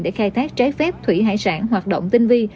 để khai thác trái phép thủy hải sản hoạt động tinh vi